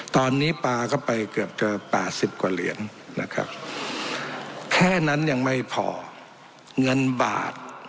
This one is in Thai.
ตอนนี้ปลาก็ไปเกือบจะ๘๐กว่าเหรียญนะครับแค่นั้นยังไม่พอเงินบาท